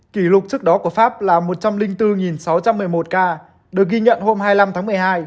kỷ lục trước đó của pháp là một trăm linh bốn sáu trăm một mươi một ca được ghi nhận hôm hai mươi năm tháng một mươi hai